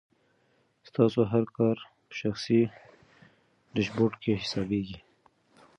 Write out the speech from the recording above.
ستاسو هر کار په شخصي ډیشبورډ کې حسابېږي.